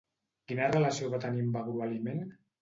Quina relació va tenir amb Agrolimen?